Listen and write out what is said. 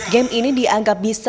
game ini dianggap misalnya